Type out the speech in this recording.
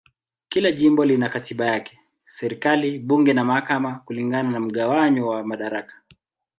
Kila jimbo lina katiba yake, serikali, bunge na mahakama kulingana na mgawanyo wa madaraka.